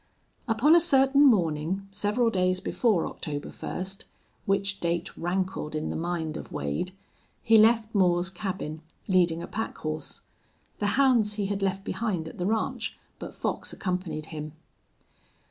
Upon a certain morning, several days before October first which date rankled in the mind of Wade he left Moore's cabin, leading a pack horse. The hounds he had left behind at the ranch, but Fox accompanied him.